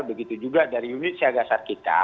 begitu juga dari unit siagasar kita